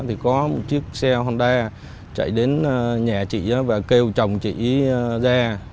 thì có một chiếc xe honda chạy đến nhà chị đó và kêu chồng chị ra